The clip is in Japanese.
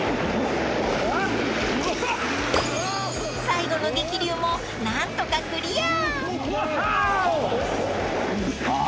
［最後の激流も何とかクリア］